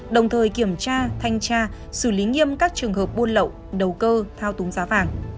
đồng thời kiểm tra thanh tra xử lý nghiêm các trường hợp buôn lậu đầu cơ thao túng giá vàng